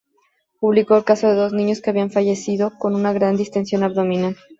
Publicó el caso de dos niños que habían fallecido con una gran distensión abdominal.